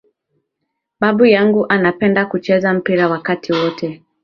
Baba yangu anapenda kucheza mpira wakati wote